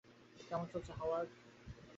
কেমন চলছে, হাওয়ার্ড?